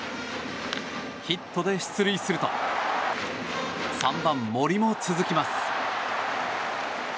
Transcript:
ヒットで出塁すると３番、森も続きます。